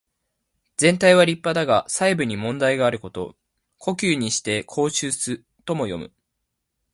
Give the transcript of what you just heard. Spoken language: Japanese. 全体は立派だが細部に問題があること。「狐裘にして羔袖す」とも読む。